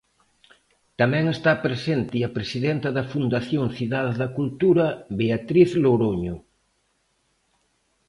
Tamén está presente a presidenta da Fundación Cidade da Cultura, Beatriz Loroño.